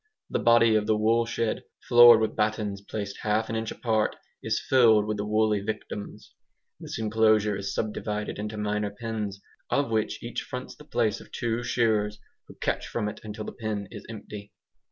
The body of the woolshed, floored with battens placed half an inch apart, is filled with the woolly victims. This enclosure is subdivided into minor pens, of which each fronts the place of two shearers, who catch from it until the pen is empty.